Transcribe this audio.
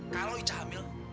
kalau ica hamil